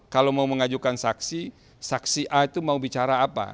kalau mau mengajukan saksi saksi a itu mau bicara apa